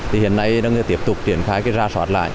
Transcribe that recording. thì hiện nay đang tiếp tục triển khai ra soát lại